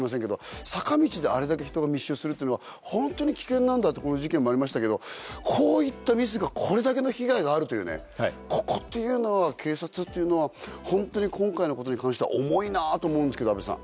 坂道であれだけ人が密集するっていうのはホントに危険なんだって事件もありましたけどこういったミスがこれだけの被害があるというここっていうのは警察はホントに今回のことに関しては重いなと思うんですけど阿部さん。